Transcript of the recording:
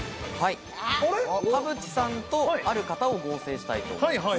田渕さんとある方を合成したいと思います。